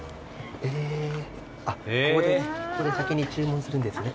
ここで先に注文するんですね。